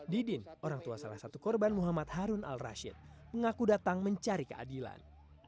didin orang tua salah satu korban muhammad harun al rashid mengaku datang mencari keadilan